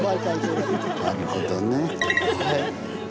なるほどね。